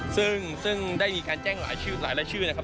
ซึ่งได้มีการแจ้งหลายชื่อนะครับ